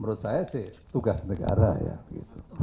menurut saya sih tugas negara ya begitu